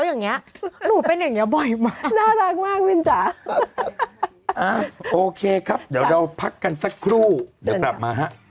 อย่าลืมกดติดตาม